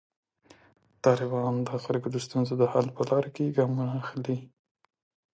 طالبان د خلکو د ستونزو د حل په لاره کې ګامونه اخلي.